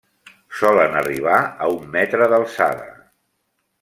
Solen arribar a un metre d'alçada.